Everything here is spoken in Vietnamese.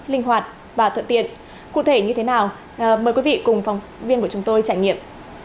linh hoạt và thuận tiện cụ thể như thế nào mời quý vị cùng phóng viên của chúng tôi trải nghiệm